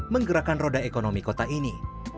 menggerakkan roda ekonomi kota ini